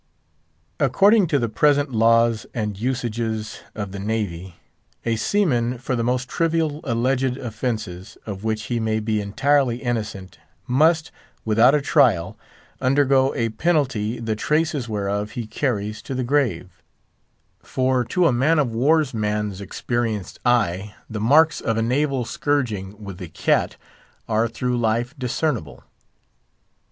According to the present laws and usages of the Navy, a seaman, for the most trivial alleged offences, of which he may be entirely innocent, must, without a trial, undergo a penalty the traces whereof he carries to the grave; for to a man of war's man's experienced eye the marks of a naval scourging with the "cat" are through life discernible.